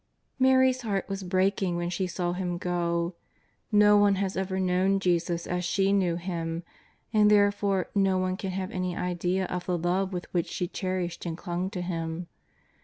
Mary's heart was breaking when she saw Him go. No one has ever known Jesus as she knew Him, and therefore no one can have any idea of the love with which she cherished and clung to Him.